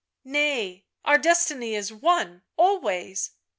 " Nay, our destiny is one — always.